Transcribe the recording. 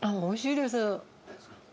おいしいです。